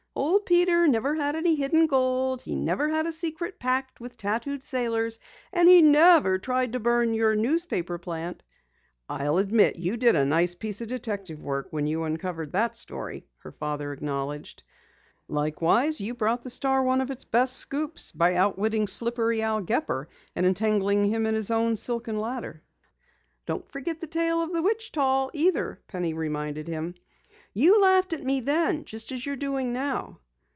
"Old Peter never had any hidden gold, he never had a SECRET PACT with tattooed sailors, and he never tried to burn your newspaper plant!" "I'll admit you did a nice piece of detective work when you uncovered that story," her father acknowledged. "Likewise, you brought the Star one of its best scoops by outwitting slippery Al Gepper and entangling him in his own Silken Ladder." "Don't forget the Tale of the Witch Doll either," Penny reminded him. "You laughed at me then, just as you're doing now."